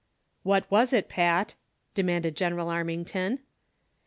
'' Wliat was it, Pat V " demanded General Armington.